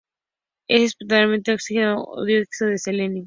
Es eventualmente oxidado a dióxido de selenio.